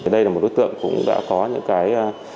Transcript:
đây là một đối tượng cũng đã có những cái